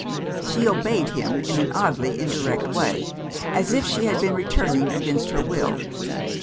She obeyed him in an oddly indirect way, as if she had been returning against her will.